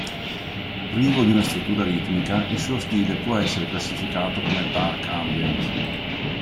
Privo di una struttura ritmica, il suo stile può essere classificato come dark ambient.